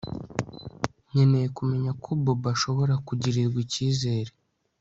Nkeneye kumenya ko Bobo ashobora kugirirwa ikizere